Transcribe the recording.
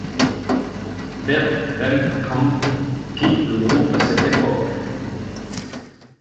Bert Veldkamp quitte le groupe à cette époque.